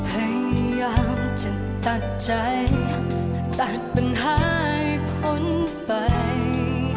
พยายามจะตัดใจตัดปัญหาพ้นไป